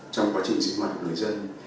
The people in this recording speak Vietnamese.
trong quá trình sinh hoạt của người dân